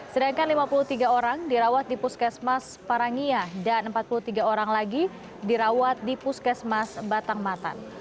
sedangkan lima puluh tiga orang dirawat di puskesmas parangia dan empat puluh tiga orang lagi dirawat di puskesmas batang matan